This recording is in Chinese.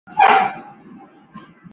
李琦只上到小学四年级便辍学。